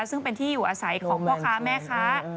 ซึ่งเป็นที่อยู่อาศัยของพ่อค้าแม่ค้า